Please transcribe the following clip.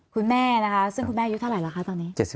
คุณแม่นะคะซึ่งคุณแม่อายุเท่าไหรล่ะคะตอนนี้